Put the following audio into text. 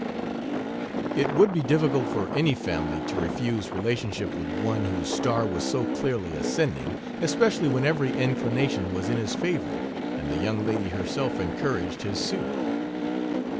It would be difficult for any family to refuse relationship with one whose star was so clearly ascending, especially when every inclination was in his favor, and the young lady herself encouraged his suit.